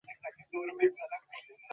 তাঁদের সঙ্গে আমাদের কী-একটা ঝগড়া চলছিল।